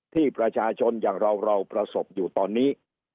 ที่ประชาชนอย่างเราเราประสบอยู่ตอนนี้